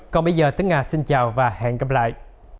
còn bây giờ tớ ngà xin chào và hẹn gặp lại